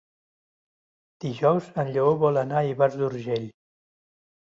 Dijous en Lleó vol anar a Ivars d'Urgell.